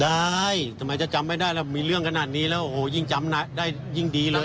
ได้ทำไมจะจำไม่ได้แล้วมีเรื่องขนาดนี้แล้วโอ้โหยิ่งจำได้ยิ่งดีเลย